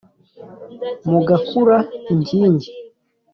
mugakura inkingi